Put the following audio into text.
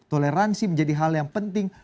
toleransi menjadi hal yang penting